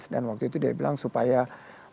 dan waktu itu dia bilang supaya partai